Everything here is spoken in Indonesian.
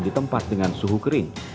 di tempat dengan suhu kering